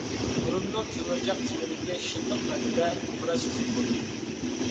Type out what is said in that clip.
بۇرۇننىڭ كۆمۈرچەك قىسمىدىكى شىللىق پەردىدە پۇراش سېزىمى بولىدۇ.